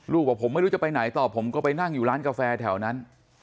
บอกผมไม่รู้จะไปไหนต่อผมก็ไปนั่งอยู่ร้านกาแฟแถวนั้น